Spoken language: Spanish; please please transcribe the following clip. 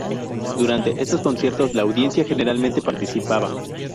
Durante estos conciertos, la audiencia generalmente participaba.